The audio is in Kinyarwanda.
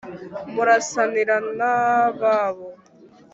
Murasanira n'ababo